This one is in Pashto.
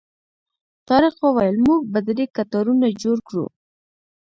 طارق وویل موږ به درې کتارونه جوړ کړو.